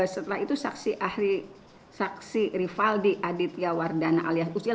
setelah itu saksi rival di aditya wardana alias usil